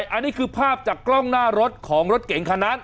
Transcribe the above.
อันนี้คือภาพจากกล้องหน้ารถของรถเก่งคันนั้น